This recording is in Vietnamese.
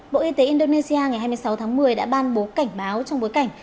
bộ y tế indonesia ngày hai mươi sáu tháng một mươi đã ban bố cảnh báo trong bối cảnh